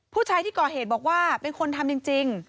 ผู้ชายที่ก่อเหตุบอกว่าเป็นคนทำจริง